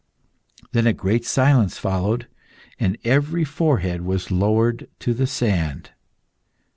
Then a great silence followed, and every forehead was lowered to the sand.